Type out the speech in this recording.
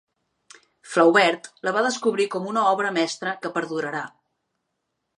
Flaubert la va descriure com una obra mestra que perdurarà.